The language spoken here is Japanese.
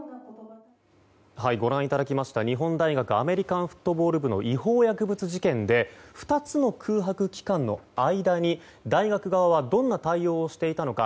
ご覧いただきました日本大学アメリカンフットボール部の違法薬物事件で２つの空白期間の間に大学側はどんな対応をしていたのか。